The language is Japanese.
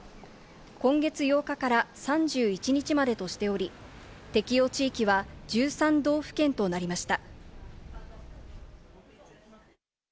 今月８日から３１日までとしており、適用地域は１３道府県となりました。